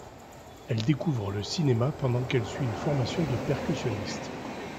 Elle découvre le cinéma pendant qu'elle suit une formation de percussionniste.